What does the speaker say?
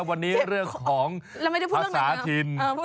วันนี้เรื่องของภาษาถิ่น